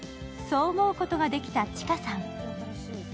そう思うことができたｃｈｉｋａさん。